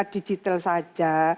kita digital saja